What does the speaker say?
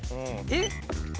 えっ？